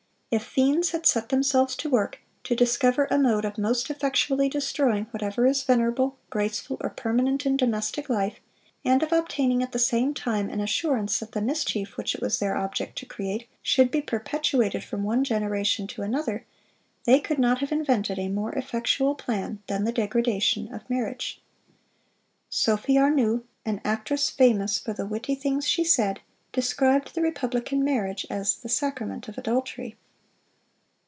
If fiends had set themselves to work to discover a mode of most effectually destroying whatever is venerable, graceful, or permanent in domestic life, and of obtaining at the same time an assurance that the mischief which it was their object to create should be perpetuated from one generation to another, they could not have invented a more effectual plan than the degradation of marriage.... Sophie Arnoult, an actress famous for the witty things she said, described the republican marriage as 'the sacrament of adultery.